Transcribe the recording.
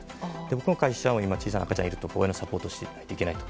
僕の会社も小さな赤ちゃんがいる家庭はサポートしていかないといけないと。